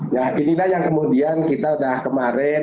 nah inilah yang kemudian kita sudah kemarin